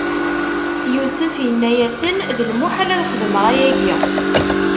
Yusef inna-yasen: D lmuḥal ad xedmeɣ ayagi!